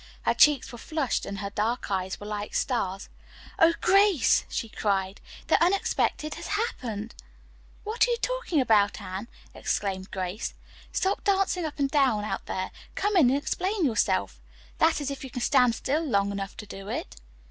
Her cheeks were flushed and her dark eyes were like stars. "Oh, Grace," she cried. "The unexpected has happened!" "What are you talking about, Anne?" exclaimed Grace laughing. "Stop dancing up and down out there. Come in and explain yourself. That is if you can stand still long enough to do it."